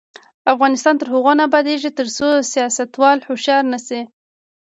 افغانستان تر هغو نه ابادیږي، ترڅو سیاستوال هوښیار نشي.